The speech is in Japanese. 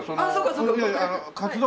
あっそうかそうか。